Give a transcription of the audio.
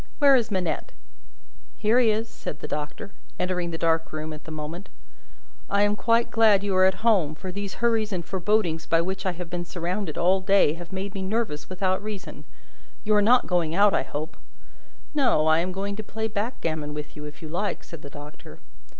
Where is Manette?" "Here he is," said the Doctor, entering the dark room at the moment. "I am quite glad you are at home; for these hurries and forebodings by which I have been surrounded all day long, have made me nervous without reason. You are not going out, I hope?" "No; I am going to play backgammon with you, if you like," said the Doctor.